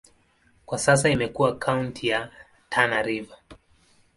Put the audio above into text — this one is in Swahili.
Kwa sasa imekuwa kaunti ya Tana River.